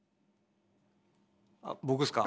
あ僕っすか？